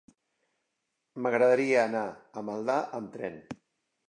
M'agradaria anar a Maldà amb tren.